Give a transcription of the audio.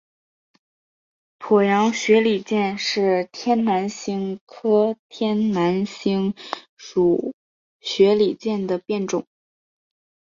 绥阳雪里见是天南星科天南星属雪里见的变种。